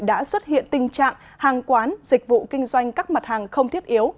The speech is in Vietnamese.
đã xuất hiện tình trạng hàng quán dịch vụ kinh doanh các mặt hàng không thiết yếu